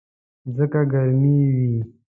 ځکه ګرمي وي.